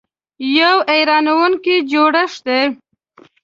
یو حیرانونکی جوړښت دی .